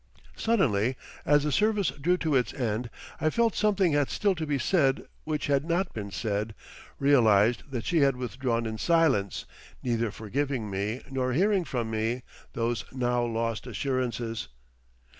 Suddenly as the service drew to its end, I felt something had still to be said which had not been said, realised that she had withdrawn in silence, neither forgiving me nor hearing from me—those now lost assurances.